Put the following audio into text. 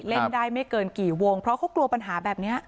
เล่นได้ไม่เกินกี่วงเพราะเขากลัวปัญหาแบบนี้